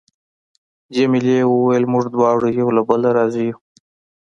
جميلې وويل: موږ دواړه یو له بله راضي یو.